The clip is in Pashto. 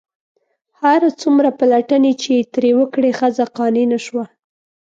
هر څومره پلټنې چې یې ترې وکړې ښځه قانع نه شوه.